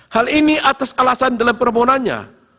hal ini atas alasan dalam permohonannya